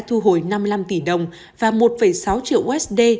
thu hồi năm mươi năm tỷ đồng và một sáu triệu usd